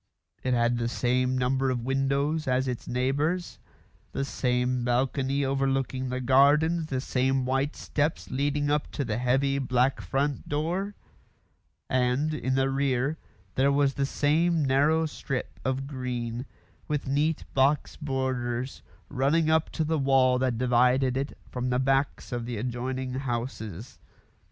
It had the same number of windows as its neighbours; the same balcony overlooking the gardens; the same white steps leading up to the heavy black front door; and, in the rear, there was the same narrow strip of green, with neat box borders, running up to the wall that divided it from the backs of the adjoining houses.